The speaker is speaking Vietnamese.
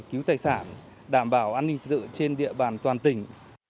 cứu tài sản đảm bảo an ninh tự trên địa bàn toàn tỉnh